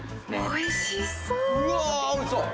おいしそう！